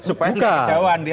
supaya dia jauhan dia